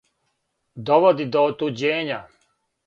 Доводи до отуђења.